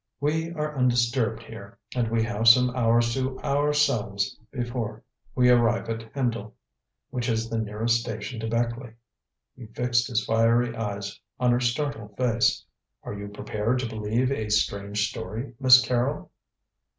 We are undisturbed here, and we have some hours to ourselves before we arrive at Hendle, which is the nearest station to Beckleigh." He fixed his fiery eyes on her startled face. "Are you prepared to believe a strange story, Miss Carrol?"